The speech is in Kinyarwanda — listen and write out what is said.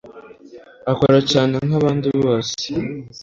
Akora cyane nkabandi bose.